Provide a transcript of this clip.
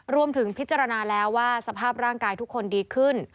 พิจารณาแล้วว่าสภาพร่างกายทุกคนดีขึ้น